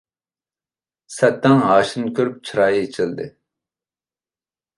سەتەڭ ھاشىمنى كۆرۈپ چىرايى ئېچىلدى.